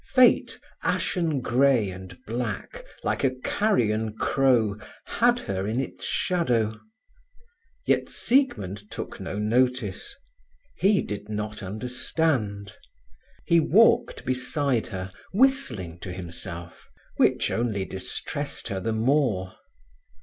Fate, ashen grey and black, like a carrion crow, had her in its shadow. Yet Siegmund took no notice. He did not understand. He walked beside her whistling to himself, which only distressed her the more.